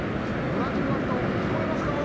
ブラジルのひときこえますか？